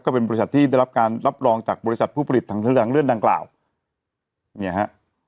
เป็นบริษัทที่ได้รับการรับรองจากบริษัทผู้ผลิตถังแสดงเลื่อนดังกล่าวเนี่ยฮะ